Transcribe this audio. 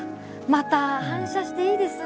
また反射していいですね